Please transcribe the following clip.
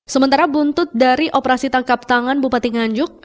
sementara buntut dari operasi tangkap tangan bupati nganjuk